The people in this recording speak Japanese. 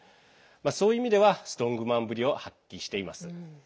そういう意味ではストロングマンぶりを発揮しています。